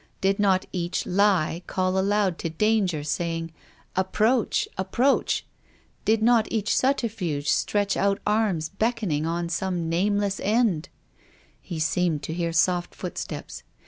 Did not each lie call aloud to danger, saying, " Approach ! approach !" Did not each subterfuge stretch out arms beckoning on some nameless end ? He, THE GRAVE. 8$ seemed to hear soft footsteps.